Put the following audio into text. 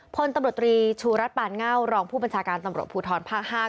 พลตำรวจตรีชูรัฐปานเง่ารองผู้บัญชาการตำรวจภูทรภาค๕